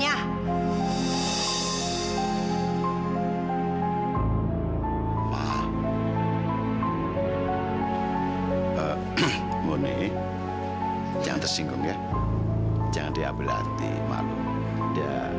yang paling baik buat saya jauh